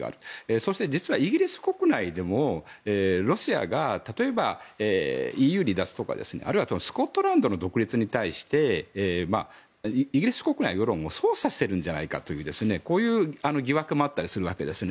そして実は、イギリス国内でもロシアが、例えばＥＵ離脱とか、あるいはスコットランドの独立に対してイギリス国内の世論を操作しているんじゃないかというこういう疑惑もあったりするわけですね。